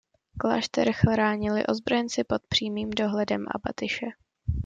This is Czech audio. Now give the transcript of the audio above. Klášter chránili ozbrojenci pod přímým dohledem abatyše.